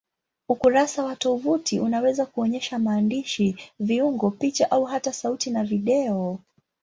Ukurasa wa tovuti unaweza kuonyesha maandishi, viungo, picha au hata sauti na video.